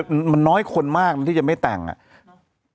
มันมันน้อยคนมากมันที่จะไม่แต่งอ่ะ